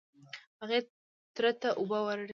هغې تره ته اوبه وړلې.